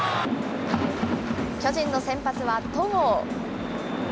巨人の先発は戸郷。